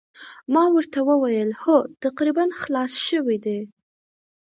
ما ورته وویل هو تقریباً خلاص شوي دي.